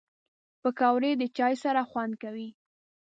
پکورې د چای سره خوند کوي